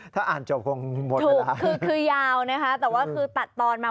ถ้าอ่านจบคงหมดถูกคือคือยาวนะคะแต่ว่าคือตัดตอนมา